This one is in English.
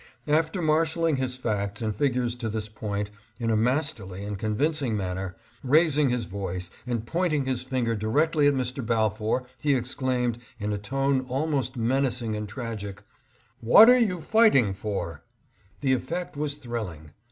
After marshaling his facts and figures to this point, in a masterly and convincing 678 LISTENS TO GLADSTONE. manner, raising his voice and pointing his finger directly at Mr. Balfour, he exclaimed, in a tone almost mena cing and tragic, " "What are you fighting for ?" The effect was thrilling.